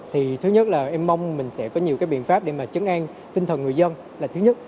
thì thứ nhất là em mong mình sẽ có nhiều cái biện pháp để mà chấn an tinh thần người dân là thứ nhất